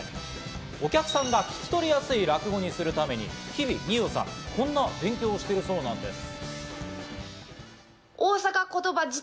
お客さんが聞き取りやすい落語にするために、日々、二葉さん、こんな勉強をしているそうなんです。